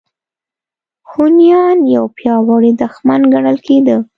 هونیان یو پیاوړی دښمن ګڼل کېده.